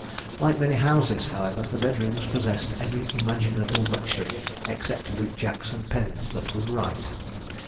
Like many houses, however, the bedrooms possessed every imaginable luxury except boot jacks and pens that would write.